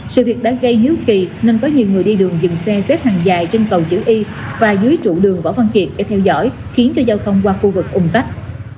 sự việc đã gây hiếu kỳ nên có nhiều người đi đường dừng xe xếp hàng dài trên tàu chữ y và dưới trụ đường võ văn kiệt để theo dõi khiến cho giao thông qua khu vực ủng tắc